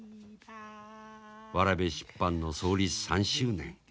わらべ出版の創立３周年。